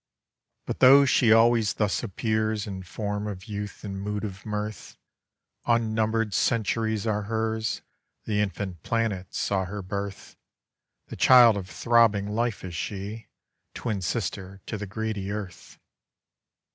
But though she always thus appears In form of youth and mood of mirth, Unnumbered centuries are hers, The infant planets saw her birth; The child of throbbing Life is she, Twin sister to the greedy earth.